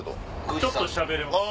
ちょっとしゃべれます。